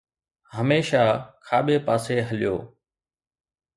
هميشه کاٻي پاسي هليو